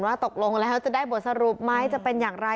ตกลงแล้วจะได้บทสรุปไหมจะเป็นอย่างไร